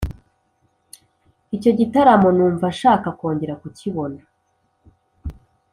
icyo gitaramo numva nshaka kongera kukibona.